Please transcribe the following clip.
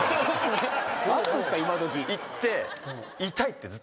行って。